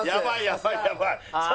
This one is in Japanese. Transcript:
やばいやばい。